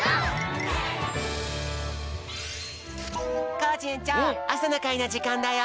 コージえんちょうあさのかいのじかんだよ。